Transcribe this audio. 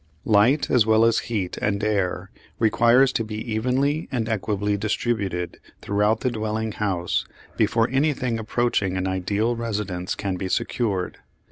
Light, as well as heat and air, requires to be evenly and equably distributed throughout the dwelling house before anything approaching an ideal residence can be secured.